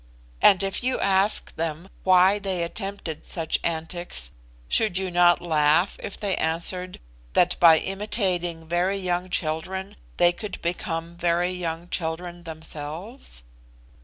And if you ask them why they attempted such antics, should you not laugh if they answered that by imitating very young children they could become very young children themselves?